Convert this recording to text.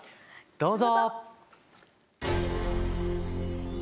どうぞ。